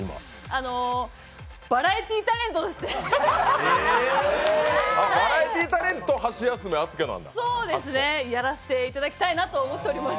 あの、バラエティータレントとしてやらせていただきたいなと思っております。